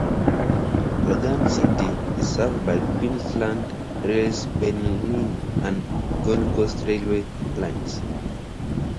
Logan City is serviced by Queensland Rail's Beenleigh and Gold Coast railway lines.